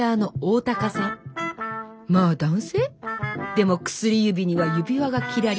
でも薬指には指輪がキラリ。